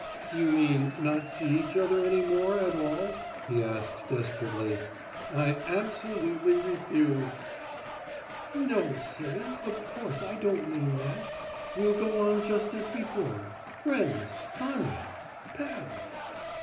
"You mean not see each other any more at all?" he asked desperately. "I absolutely refuse." "No, silly, of course I don't mean that. We'll go on just as before, friends, comrades, pals."